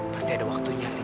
pasti ada waktunya li